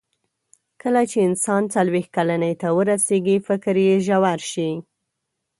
کله چې انسان څلوېښت کلنۍ ته ورسیږي، فکر یې ژور شي.